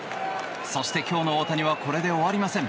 そして今日の大谷はこれで終わりません。